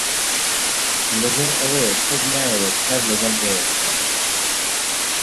لەبەر ئەوەیە کەس نایەوێت کار لەگەڵ ئێوە بکات.